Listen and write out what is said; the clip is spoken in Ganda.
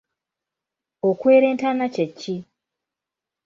Okwera entaana kye ki?